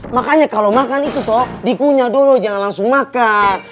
makanya kalau makan itu toh dikunyah dulu jangan langsung makan